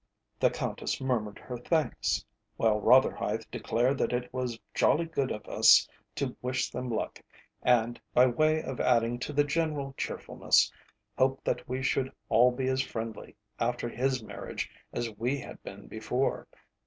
The Countess murmured her thanks, while Rotherhithe declared that it was jolly good of us to wish them luck, and, by way of adding to the general cheerfulness, hoped that we should all be as friendly after his marriage as we had been before.